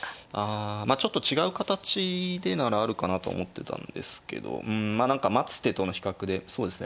あまあちょっと違う形でならあるかなと思ってたんですけどうんまあ何か待つ手との比較でそうですね